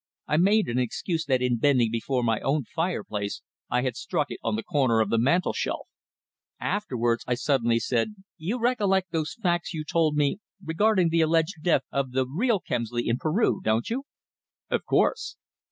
I made an excuse that in bending before my own fireplace I had struck it on the corner of the mantelshelf. Afterwards I suddenly said: "You recollect those facts you told me regarding the alleged death of the real Kemsley in Peru, don't you?" "Of course."